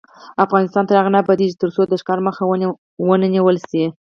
افغانستان تر هغو نه ابادیږي، ترڅو د ښکار مخه ونیول نشي.